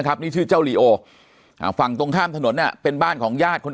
นี่ชื่อเจ้าลีโอฝั่งตรงข้ามถนนเนี่ยเป็นบ้านของญาติคน